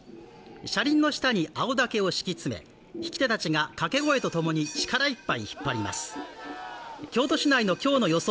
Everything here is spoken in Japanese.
車輪の下に青竹を敷き詰め曳き手たちが掛け声とともに力いっぱい引っ張ります京都市内の今日の予想